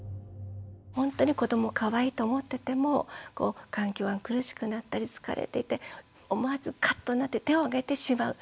本当に子どもかわいいと思ってても環境が苦しくなったり疲れていて思わずカッとなって手をあげてしまう。